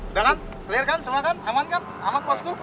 udah kan clear kan semua kan aman kan aman posku